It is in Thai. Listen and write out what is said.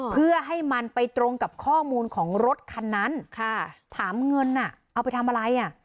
เพื่อให้มันไปตรงกับข้อมูลของรถคันนั้นค่ะถามเงินอ่ะเอาไปทำอะไรอ่ะ